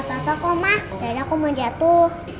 apa apa koma dada koma jatuh